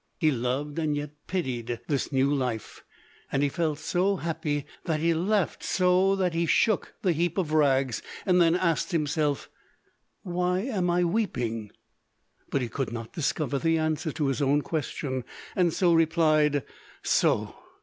He loved and yet pitied this new life, and he felt so happy, that he laughed so that he shook the heap of rags, and then asked himself: "Why am I weeping?" But he could not discover the answer to his own question, and so replied: "So!"